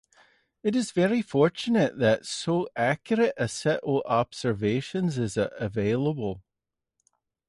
It is very fortunate that so accurate a set of observations is available.